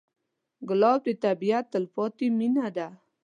ګلاب د طبیعت تلپاتې مینه ده.